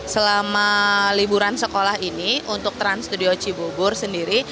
selama liburan sekolah ini untuk trans studio cibubur sendiri